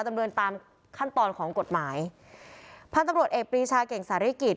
ดำเนินตามขั้นตอนของกฎหมายพันธุ์ตำรวจเอกปรีชาเก่งสาริกิจ